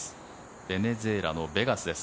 ベネズエラのベガスです。